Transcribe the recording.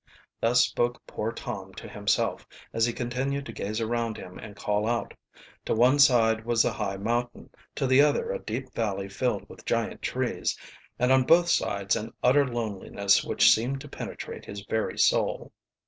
Thus spoke poor Tom to himself, as he continued to gaze around him and call out. To one side was the high mountain, to the other a deep valley filled with giant trees, and on both sides an utter loneliness which seemed to penetrate his very soul.